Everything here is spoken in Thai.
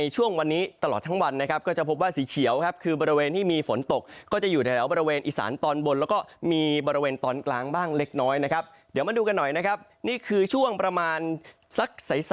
เจอไปนะครับเดี๋ยวมาดูกันหน่อยนะครับนี่คือช่วงประมาณสักใส